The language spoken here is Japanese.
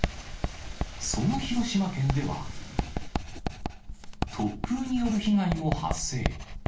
その広島県では、突風による被害も発生。